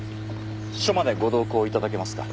署までご同行頂けますか？